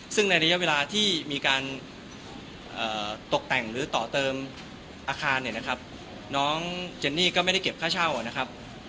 ซึ่งในระยะเวลาที่มีการตกแต่งหรือต่อเติมอาคารเนี่ยนะครับน้องเจนนี่ก็ไม่ได้เก็บค่าเช่านะครับ